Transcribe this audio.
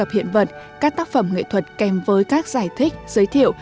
tập hiện vật các tác phẩm nghệ thuật kèm với các giải thích giới thiệu